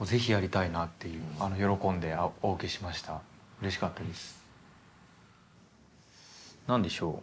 うれしかったです。